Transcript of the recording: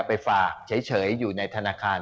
ไปฝากเฉยอยู่ในธนาคาร